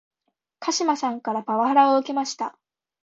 鹿島さんからパワハラを受けました